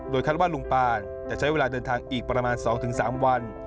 คาดว่าลุงปานจะใช้เวลาเดินทางอีกประมาณ๒๓วัน